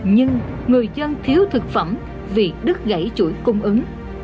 nhưng người dân thiếu thực phẩm vì đứt gãy chuỗi cung ứng